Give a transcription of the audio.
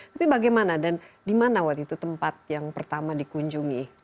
tapi bagaimana dan di mana waktu itu tempat yang pertama dikunjungi